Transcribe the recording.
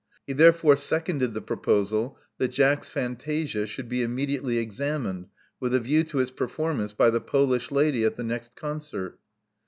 He therefore seconded the proposal that Jack's fantasia should be immediately examined with a view to its performance by the Polish lady at the next concert.